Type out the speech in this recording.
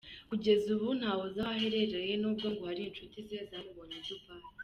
Kugeza ubu nta wuzi aho aherereye nubwo ngo hari inshuti ze zamubonye I Dubai.